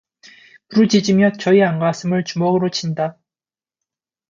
부르짖으며 저의 앙가슴을 주먹으로 친다.